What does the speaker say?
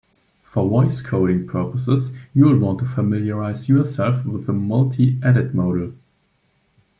For voice coding purposes, you'll want to familiarize yourself with the multiedit module.